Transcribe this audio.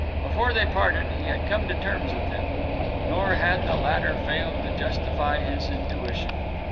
Before they parted, he had come to terms with him. Nor had the latter failed to justify his intuition.